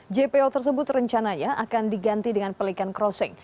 jpo tersebut rencananya akan diganti dengan pelikan crossing